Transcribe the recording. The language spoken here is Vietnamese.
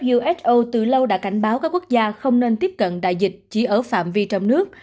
uso từ lâu đã cảnh báo các quốc gia không nên tiếp cận đại dịch chỉ ở phạm vi trong nước